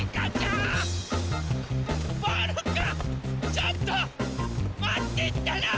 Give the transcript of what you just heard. ちょっとまってったら！